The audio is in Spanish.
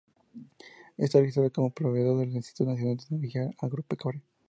Y está registrada como proveedor del Instituto Nacional de Tecnología Agropecuaria.